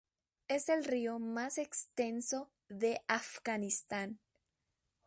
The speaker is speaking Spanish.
Es el río más extenso de Afganistán.